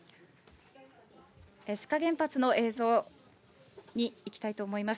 志賀原発の映像にいきたいと思います。